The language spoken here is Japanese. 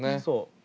そう。